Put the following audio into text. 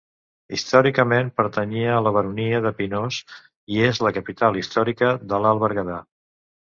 Històricament pertanyia a la Baronia de Pinós i és la capital històrica de l'Alt Berguedà.